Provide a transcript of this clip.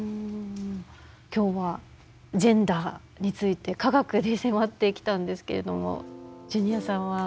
今日はジェンダーについて科学で迫ってきたんですけれどもジュニアさんは。